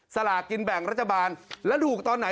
สลากินแบ่งรัฐบาลแล้วถูกตอนไหน